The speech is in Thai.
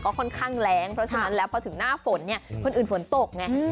ก็ค่อนข้างแรงเพราะฉะนั้นแล้วพอถึงหน้าฝนเนี่ยคนอื่นฝนตกไง